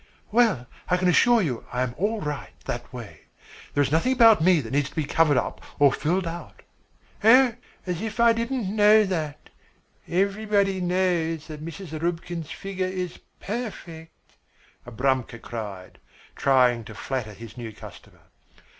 "Well, I can assure you I am all right that way. There is nothing about me that needs to be covered up or filled out." "Oh, as if I didn't know that! Everybody knows that Mrs. Zarubkin's figure is perfect," Abramka cried, trying to flatter his new customer.